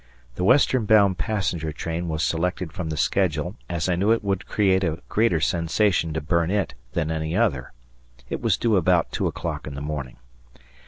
The western bound passenger train was selected from the schedule as I knew it would create a greater sensation to burn it than any other; it was due about two o'clock in the morning.